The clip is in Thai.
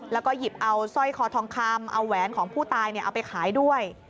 แล้วก็หยิบเอาสร้อยคอทองคำเอาแหวนของผู้ตายเอาไปขายด้วย